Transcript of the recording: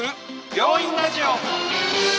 「病院ラジオ」。